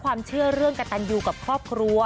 ความเชื่อเรื่องกระตันอยู่กับครอบครัว